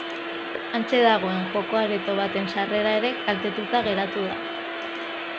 Hantxe dagoen joko-areto baten sarrera ere kaltetuta geratu da.